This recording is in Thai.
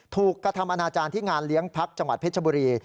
ถูกกระทำอนาจารย์ที่งานเลี้ยงพักจังหวัดเพชรบุรี